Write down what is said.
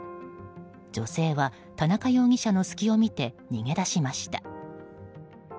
女性は田中容疑者の隙を見て逃げ出しました。